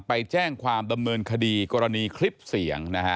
ไปแจ้งความดำเนินคดีกรณีคลิปเสียงนะฮะ